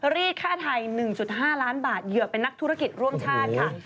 รีดค่าไทย๑๕ล้านบาทเหยื่อเป็นนักธุรกิจร่วมชาติค่ะ